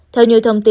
theo nhiều thông tin